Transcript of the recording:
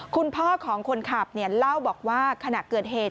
คุณพ่อของคนขับเล่าบอกว่าขณะเกิดเหตุ